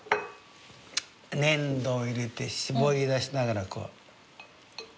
粘土を入れて搾り出しながらこう。